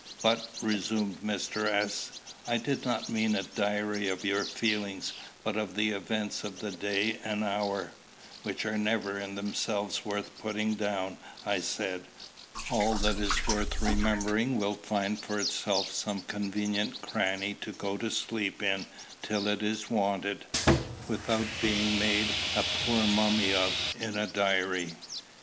"But," resumed Mr. S., "I did not mean a diary of your feelings, but of the events of the day and hour." "Which are never in themselves worth putting down," I said. "All that is worth remembering will find for itself some convenient cranny to go to sleep in till it is wanted, without being made a poor mummy of in a diary."